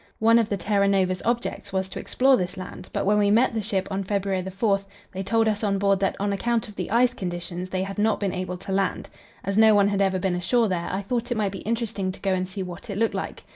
One of the Terra Nova's objects was to explore this land; but when we met the ship on February 4, they told us on board that on account of the ice conditions they had not been able to land. As no one had ever been ashore there, I thought it might be interesting to go and see what it looked like.